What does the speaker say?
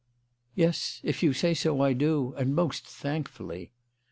"Yes, if you say so, I do; and most thankfully."